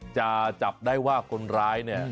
จับได้ว่าคนร้ายเนี่ย